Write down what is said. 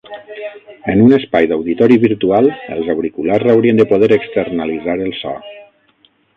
En un espai d'auditori virtual, els auriculars haurien de poder "externalitzar" el so.